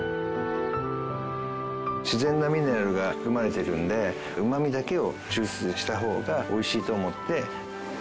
自然なミネラルが含まれているのでうまみだけを抽出した方がおいしいと思って。